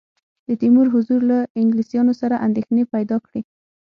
د تیمور حضور له انګلیسیانو سره اندېښنې پیدا کړې.